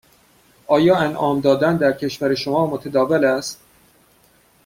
آیا انعام دادن در کشور شما متداول است؟